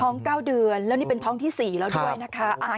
๙เดือนแล้วนี่เป็นท้องที่๔แล้วด้วยนะคะ